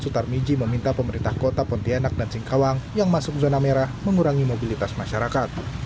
sutar miji meminta pemerintah kota pontianak dan singkawang yang masuk zona merah mengurangi mobilitas masyarakat